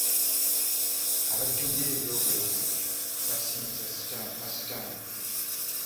Abajjumbira eby'obulogo basinza masitaani.